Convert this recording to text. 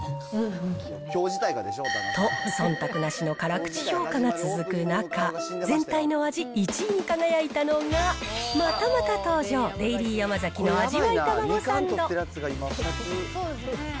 と、そんたくなしの辛口評価が続く中、全体の味１位に輝いたのが、またまた登場、デイリーヤマザキの味わいタマゴサンド。